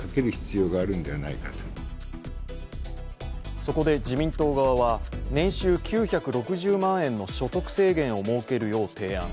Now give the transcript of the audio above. そこで自民党側は年収９６０万円の所得制限を設けるよう提案。